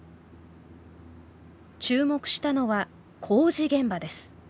注目したのは工事現場です。